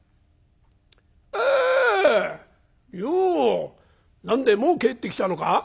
「よう何でえもう帰ってきたのか？